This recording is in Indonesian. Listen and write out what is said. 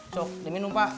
sok diminum pak